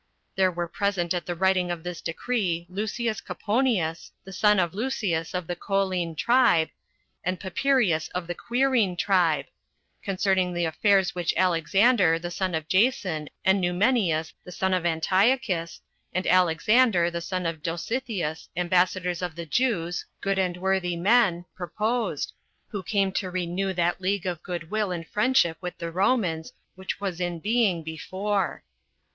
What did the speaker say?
There were present at the writing of this decree Lucius Coponius, the son of Lucius of the Colline tribe, and Papirius of the Quirine tribe, concerning the affairs which Alexander, the son of Jason, and Numenius, the son of Antiochus, and Alexander, the son of Dositheus, ambassadors of the Jews, good and worthy men, proposed, who came to renew that league of goodwill and friendship with the Romans which was in being before.